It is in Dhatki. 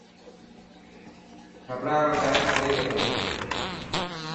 خبران رو ٽائيم ٿي گيو.